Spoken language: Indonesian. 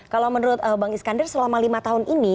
kalau menurut bang iskandar selama lima tahun ini